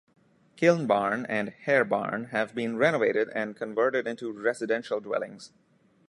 Kiln Barn and Hare Barn have been renovated and converted into residential dwellings.